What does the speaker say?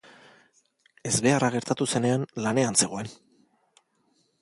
Ezbeharra gertatu zenean, lanean zegoen.